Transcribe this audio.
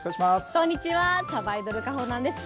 こんにちは、さばいどるかほなんです。